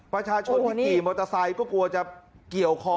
ประชาชนที่ขี่มอเตอร์ไซค์ก็กลัวจะเกี่ยวคอ